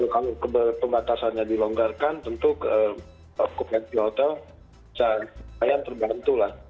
kalau pembatasannya dilonggarkan tentu okupansi hotel yang terbantu lah